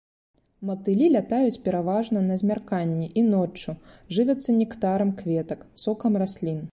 Матылі лятаюць пераважна на змярканні і ноччу, жывяцца нектарам кветак, сокам раслін.